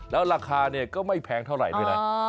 แล้วราคาเนี่ยก็ไม่แพงเท่าไหร่ด้วยนะ